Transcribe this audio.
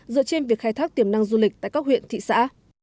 dựa trên việc khai thác tiềm năng du lịch tại các huyện thị xã